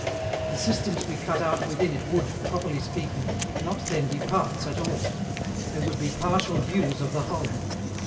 The systems we cut out within it would, properly speaking, not then be parts at all; they would be partial views of the whole.